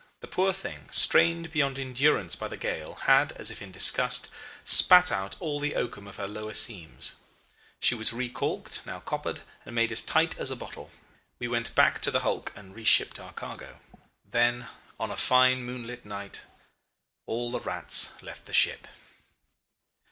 The poor thing, strained beyond endurance by the gale, had, as if in disgust, spat out all the oakum of her lower seams. She was recalked, new coppered, and made as tight as a bottle. We went back to the hulk and re shipped our cargo. "Then on a fine moonlight night, all the rats left the ship.